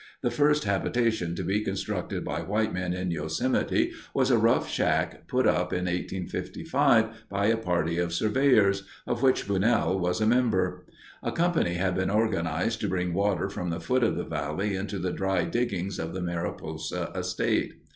The first habitation to be constructed by white men in Yosemite was a rough shack put up in 1855 by a party of surveyors, of which Bunnell was a member. A company had been organized to bring water from the foot of the valley into the dry diggings of the Mariposa estate.